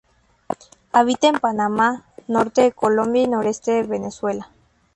Habita en Panamá, norte de Colombia y noroeste de Venezuela.